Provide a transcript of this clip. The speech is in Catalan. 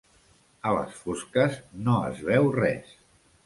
A les fosques no es veu res.